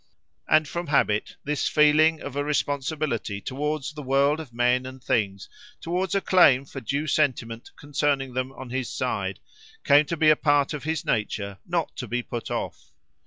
And from habit, this feeling of a responsibility towards the world of men and things, towards a claim for due sentiment concerning them on his side, came to be a part of his nature not to be put off.